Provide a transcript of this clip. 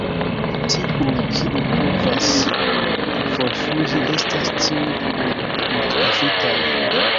Tiuj, kiuj provas forfuĝi estas tuj mortpafitaj.